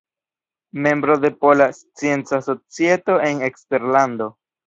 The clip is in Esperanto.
Membro de Pola Scienca Societo en Eksterlando.